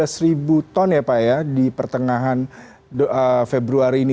sisa dua belas ton ya pak ya di pertengahan februari ini